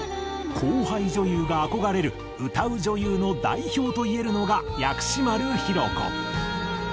後輩女優が憧れる歌う女優の代表といえるのが薬師丸ひろ子。